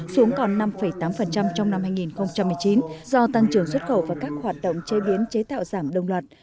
xuống còn năm tám trong năm hai nghìn một mươi chín do tăng trưởng xuất khẩu và các hoạt động chế biến chế tạo giảm đồng loạt